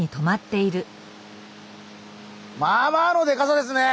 まあまあのデカさですね。